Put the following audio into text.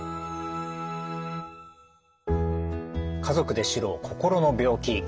「家族で知ろう心の病気」